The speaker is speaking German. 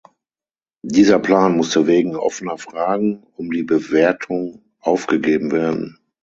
Dieser Plan musste wegen offener Fragen um die Bewertung aufgegeben werden.